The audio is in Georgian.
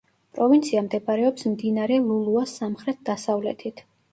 პროვინცია მდებარეობს მდინარე ლულუას სამხრეთ-დასავლეთით.